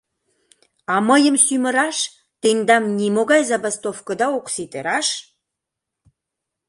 А мыйым сӱмыраш тендан нимогай забастовкыда ок сите, раш?